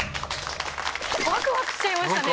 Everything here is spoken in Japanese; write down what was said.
ワクワクしちゃいましたね。